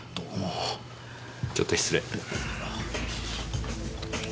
ちょっと失礼。